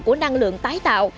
của năng lượng tái tạo